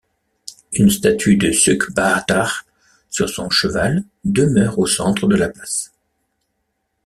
Une statue de Sükhbaatar sur son cheval demeure au centre de la place.